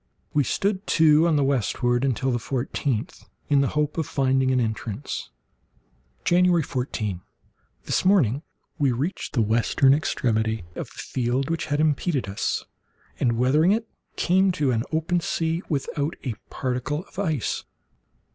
We stood to the westward until the fourteenth, in the hope of finding an entrance. January 14.—This morning we reached the western extremity of the field which had impeded us, and, weathering it, came to an open sea, without a particle of ice.